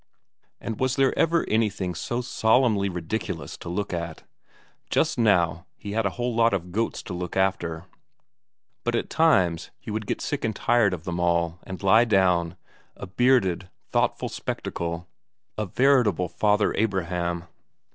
And was there ever anything so solemnly ridiculous to look at? Just now he had a whole lot of goats to look after, but at times he would get sick and tired of them all, and lie down, a bearded, thoughtful spectacle, a veritable Father Abraham.